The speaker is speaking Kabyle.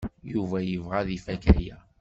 Yuba yebɣa ad ifak aya.